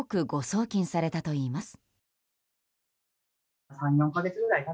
送金されたといいます。